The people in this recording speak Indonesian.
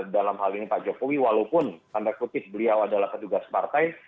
dalam hal ini pak jokowi walaupun tanda kutip beliau adalah petugas partai